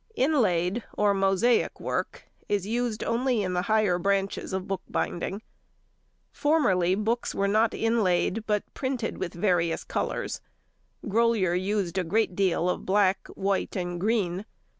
_—Inlaid, or mosaic work, is used only in the higher branches of bookbinding. Formerly books were not inlaid, but painted with various colours. Grolier used a great deal of black, white, and green.